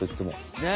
ねえ！